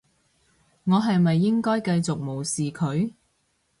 我係咪應該繼續無視佢？